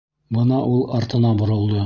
Бына ул артына боролдо.